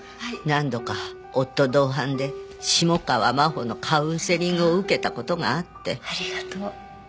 何度か夫同伴で下川真帆のカウンセリングを受けた事があって。